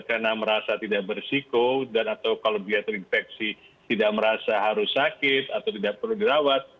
karena merasa tidak bersikul atau kalau dia terinfeksi tidak merasa harus sakit atau tidak perlu dirawat